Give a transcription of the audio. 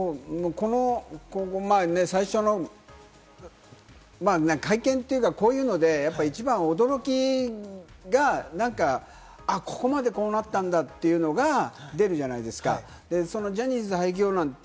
最初の会見というか、こういうので一番驚きが、ここまでこうなったんだというのが出るじゃないですか。